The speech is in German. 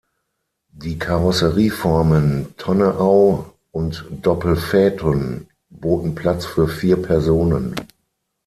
Die Karosserieformen Tonneau und Doppelphaeton boten Platz für vier Personen.